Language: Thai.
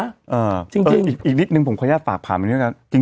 เออจริงอีกนิดนึงผมขออนุญาตฝากผ่านไปด้วยกัน